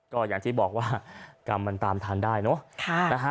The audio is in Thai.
ก็อย่างที่บอกว่ากรรมมันตามทานได้เนอะ